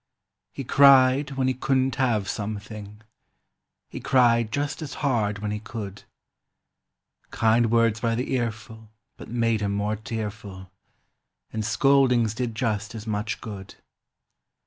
He cried when he couldn't have something; He cried just as hard when he could; Kind words by the earful but made him more tearful, And scoldings did just as much good.